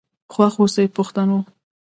خوښ آوسئ پښتنو.